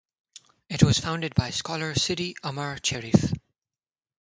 It was founded by scholar Sidi Amar Cherif.